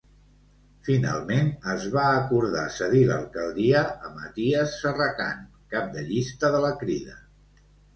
Finalment es va acordar cedir l'alcaldia a Maties Serracant, cap de llista de la Crida.